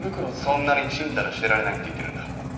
そんなにチンタラしてられないって言ってるんだ。